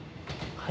はい。